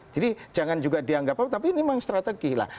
jadi jangan juga dianggap tapi ini memang strategi lah